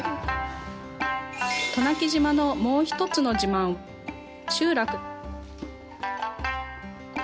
渡名喜島のもう一つの自慢、集落。